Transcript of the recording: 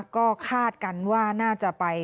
ก็คาดกันว่าน่าจะไป